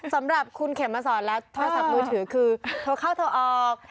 สำหรับคุณเขมมาสอนและโทรศัพท์มือถือคือโทรเข้าโทรออก